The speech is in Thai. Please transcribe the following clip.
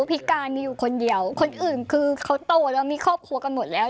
พิการมีอยู่คนเดียวคนอื่นคือเขาโตแล้วมีครอบครัวกันหมดแล้ว